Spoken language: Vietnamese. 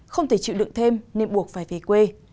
không thể chịu đựng thêm nên buộc phải về quê